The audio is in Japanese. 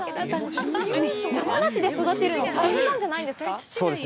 山梨で育てるのは大変なんじゃないんですよ。